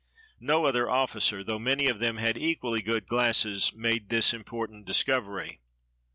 No other officer, though many of them had equally good glasses, made this important discovery.